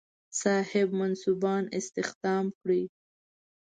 صاحب منصبان استخدام کړي.